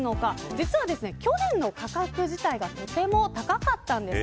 実は去年の価格自体がとても高かったんです。